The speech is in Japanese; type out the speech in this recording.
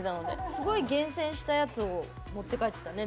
すごい厳選したやつを持って帰ってたね。